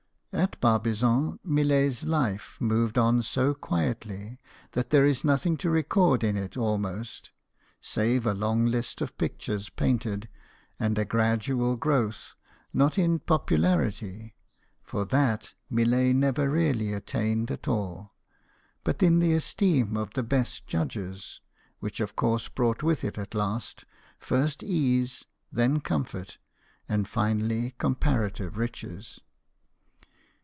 At Barbizon Millet's life moved on so quietly that there is nothing to record in it almost, save a long list of pictures painted, and a gradual growth, not in popularity (for that Millet never really attained at all), but in the esteem of the best judges, which of course brought with it at last, first ease, then comfort, and finally compara tive riches.